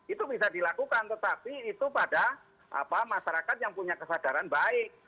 itu bisa dilakukan tetapi itu pada masyarakat yang punya kesadaran baik